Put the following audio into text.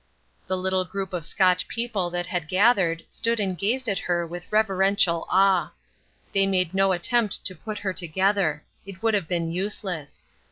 The little group of Scotch people that had gathered stood and gazed at her with reverential awe. They made no attempt to put her together. It would have been useless.